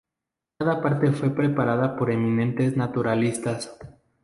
Cada parte fue preparada por eminentes naturalistas.